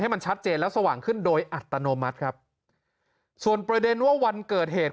มันชัดเจนและสว่างขึ้นโดยอัตโนมัติครับส่วนประเด็นว่าวันเกิดเหตุ